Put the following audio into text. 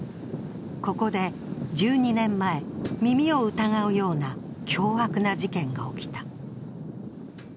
ここで１２年前、耳を疑うような凶悪な事件が起きた。